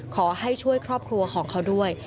ขอให้ช่วยครอบครัวของเขาด้วย